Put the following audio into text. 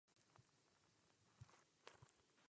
Dívka Kate žije se svou babičkou na okraji malého města.